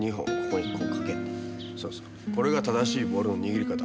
これが正しいボールの握り方。